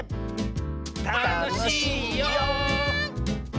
たのしいよ！